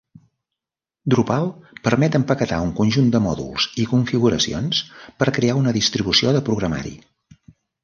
Drupal permet empaquetar un conjunt de mòduls i configuracions per crear una distribució de programari.